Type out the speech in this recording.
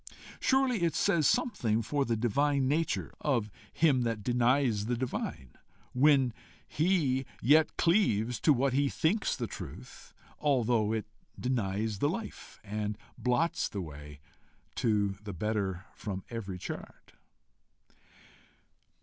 Surely it says something for the divine nature of him that denies the divine, when he yet cleaves to what he thinks the truth, although it denies the life, and blots the way to the better from every chart!